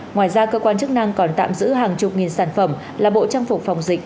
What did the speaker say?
ngoài ra cơ quan chức năng còn tạm giữ hàng chục nghìn sản phẩm là bộ trang phục phòng dịch